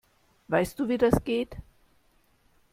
Weißt du, wie das geht?